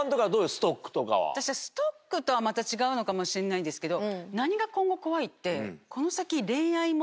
私はストックとはまた違うのかもしれないんですけど。